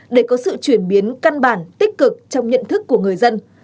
để có sự chuyển biến căn bản tích cực trong nhận thức của người dân